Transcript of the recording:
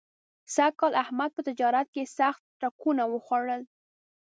سږ کال احمد په تجارت کې سخت ټکونه وخوړل.